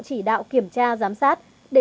chỉ đạo kiểm tra giám sát để